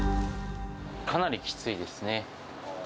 かなりきついですね。